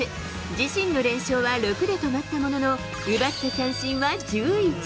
自身の連勝は６で止まったものの、奪った三振は１１。